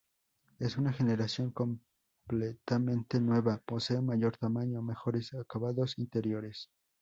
Es una generación completamente nueva, posee mayor tamaño, mejores acabados interiores.